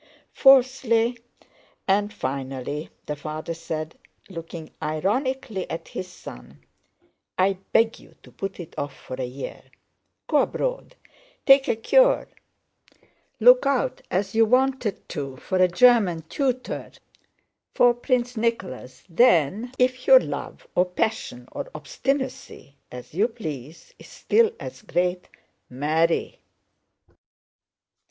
"Fourthly and finally," the father said, looking ironically at his son, "I beg you to put it off for a year: go abroad, take a cure, look out as you wanted to for a German tutor for Prince Nicholas. Then if your love or passion or obstinacy—as you please—is still as great, marry!